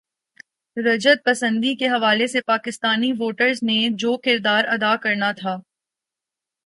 رجعت پسندی کے حوالے سے پاکستانی ووٹرز نے جو کردار ادا کرنا تھا۔